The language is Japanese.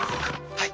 はい！